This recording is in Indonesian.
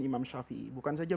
imam shafi'i bukan saja